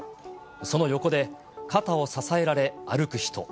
その横で肩を支えられ歩く人。